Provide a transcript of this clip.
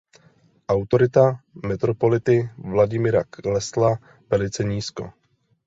Autorita metropolity Vladimira klesla velice nízko.